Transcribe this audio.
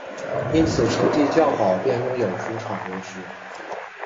因此成绩较好便拥有主场优势。